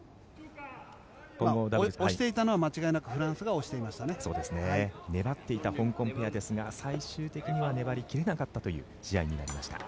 押していたのは間違いなくフランスが粘っていた香港ペアですが最終的には粘り切れなかったという試合になりました。